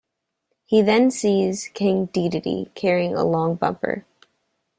He then sees King Dedede, carrying a long bumper.